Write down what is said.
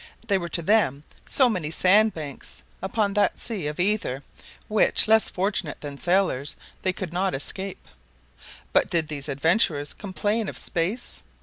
They were to them so many sandbanks upon that sea of ether which, less fortunate than sailors, they could not escape. But did these adventurers complain of space?